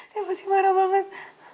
dia pasti marah banget